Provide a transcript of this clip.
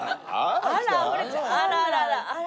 あらあらあら！